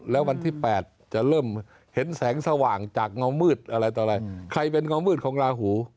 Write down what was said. แล้ววันที่๘จะเริ่มเห็นแสงสว่างจากเงามืดอะไรต่ออะไรใครเป็นเงามืดของลาหู